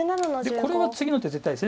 これは次の手絶対です